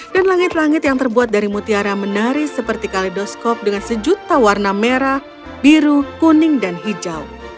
dan langit langit yang terbuat dari mutiara menarik seperti kaleidoskop dengan sejuta warna merah biru kuning dan hijau